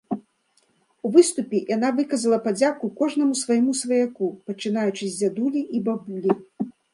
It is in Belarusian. У выступе яна выказала падзяку кожнаму свайму сваяку, пачынаючы з дзядулі і бабулі.